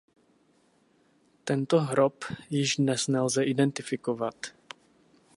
Tento hrob již dnes nelze identifikovat.